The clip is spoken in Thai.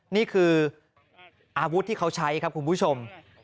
นี่คืออาวุธที่เขาใช้ครับคุณผู้ชม